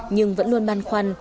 nhưng vẫn luôn băn khoăn